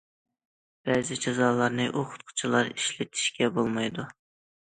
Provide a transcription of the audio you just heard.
بەزى جازالارنى ئوقۇتقۇچىلار ئىشلىتىشكە بولمايدۇ.